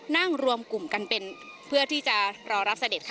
นั่งรวมกลุ่มกันเป็นเพื่อที่จะรอรับเสด็จค่ะ